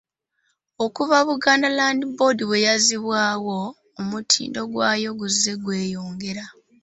Okuva Buganda Land Board bwe yazzibwawo, omutindo gwayo guzze gweyongera.